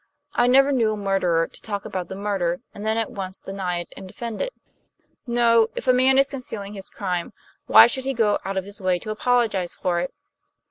I never knew a murderer to talk about the murder, and then at once deny it and defend it. No, if a man is concealing his crime, why should he go out of his way to apologize for it?"